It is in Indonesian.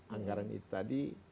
anggaran itu tadi